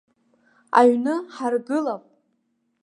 Аҩны ҳаргылап.